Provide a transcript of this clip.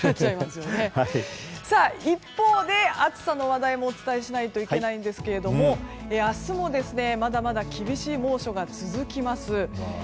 一方で暑さの話題もお伝えしないといけないんですけど明日もまだまだ厳しい猛暑が続きます。